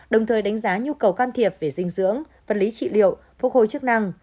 đồng thời đánh giá nhu cầu can thiệp về dinh dưỡng vật lý trị liệu phục hồi chức năng